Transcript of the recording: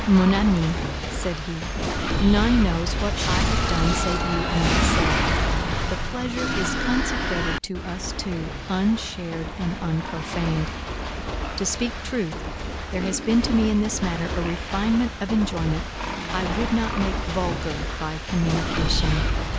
"Mon amie," said he, "none knows what I have done save you and myself: the pleasure is consecrated to us two, unshared and unprofaned. To speak truth, there has been to me in this matter a refinement of enjoyment I would not make vulgar by communication.